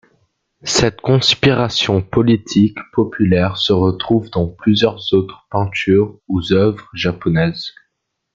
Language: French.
Cette conspiration politique populaire se retrouve dans plusieurs autres peintures ou œuvres japonaises.